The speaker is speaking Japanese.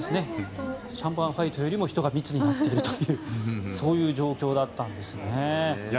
シャンパンファイトよりも人が密になっているというそういう状況だったんですね。